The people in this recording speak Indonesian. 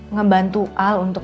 ngebantu al untuk